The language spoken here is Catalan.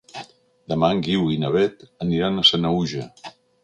Demà en Guiu i na Beth aniran a Sanaüja.